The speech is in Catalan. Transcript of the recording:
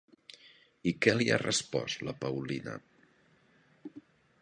I què li ha respost la Paulina?